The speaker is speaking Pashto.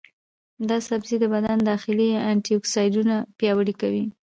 دا سبزی د بدن داخلي انټياکسیدانونه پیاوړي کوي.